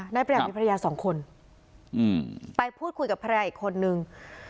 ประหยัดมีภรรยาสองคนไปพูดคุยกับภรรยาอีกคนนึง